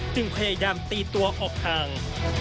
จึงพยายามตีตัวออกทาง